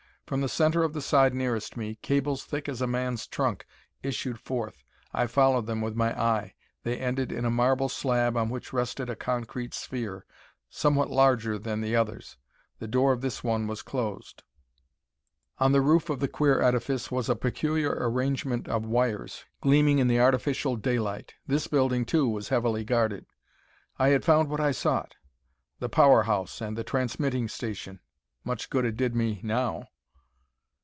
From the center of the side nearest me, cables thick as a man's trunk issued forth. I followed them with my eye. They ended in a marble slab on which rested a concrete sphere, somewhat larger than the others. The door of this one was closed. On the roof of the queer edifice was a peculiar arrangement of wires, gleaming in the artificial daylight. This building, too, was heavily guarded. I had found what I sought the power house and the transmitting station. Much good it did me now.